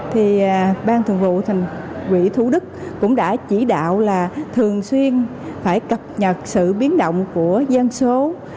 thì ban thường vụ thành quỹ thủ đức cũng đã chỉ đạo là thường xuyên phải cập nhật sự biến động của dân số